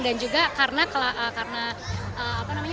dan juga karena ulah manusia